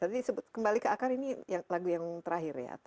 tadi kembali ke akar ini lagu yang terakhir ya